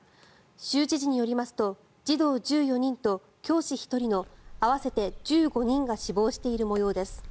州知事によりますと児童１４人と教師１人の合わせて１５人が死亡している模様です。